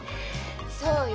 そうよ。